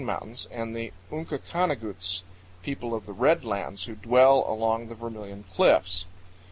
mountains"), and the Unkakaniguts ("people of the red lands," who dwell along the Vermilion Cliffs).